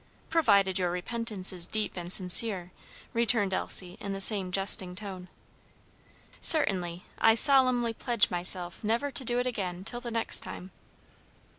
"Provided your repentance is deep and sincere," returned Elsie in the same jesting tone. "Certainly, I solemnly pledge myself never to do it again till the next time."